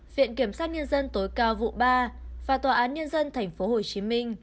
viện kiểm sát nhân dân tối cao vụ ba và tòa án nhân dân tp hồ chí minh